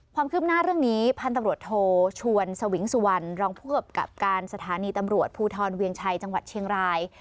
ความคืบหน้าเรื่องนี้พันธุ์ตำรวจโทชวนสวิงสุวรรณรองผู้กำกับการสถานีตำรวจภูทรเวียงชัยจังหวัดเชียงราย